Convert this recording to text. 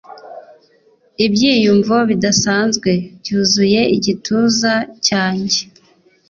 ibyiyumvo bidasanzwe byuzuye igituza cyanjye